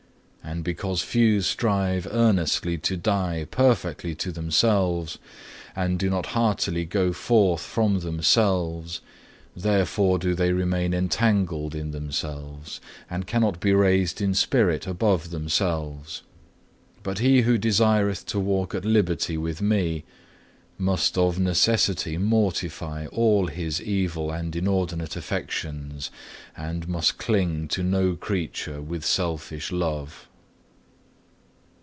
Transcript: But because few strive earnestly to die perfectly to themselves, and do not heartily go forth from themselves, therefore do they remain entangled in themselves, and cannot be raised in spirit above themselves. But he who desireth to walk at liberty with Me, must of necessity mortify all his evil and inordinate affections, and must cling to no creature with selfish love."